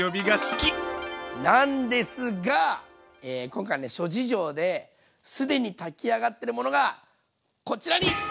今回は諸事情で既に炊き上がってるものがこちらに！